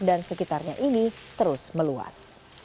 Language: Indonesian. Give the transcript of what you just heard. dan sekitarnya ini terus meluas